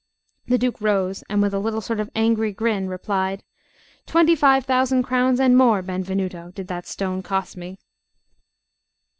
The Duke rose, and, with a little sort of angry grin, replied: "Twenty five thousand crowns and more, Benvenuto, did that stone cost me!"